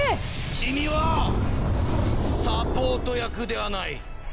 君はサポート役ではない。